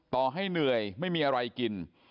ต่อให้เหนื่อยไม่มีอะไรกิน